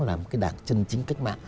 làm cái đảng chân chính cách mạng